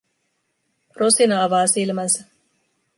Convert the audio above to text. Rosina avaa silmänsä.